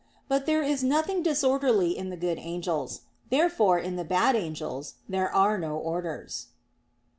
But there is nothing disorderly in the good angels. Therefore in the bad angels there are no orders.